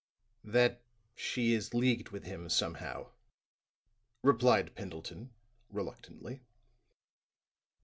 "That she is leagued with him, somehow," replied Pendleton, reluctantly.